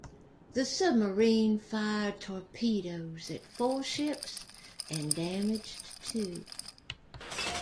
The submarine fired torpedoes at four ships and damaged two.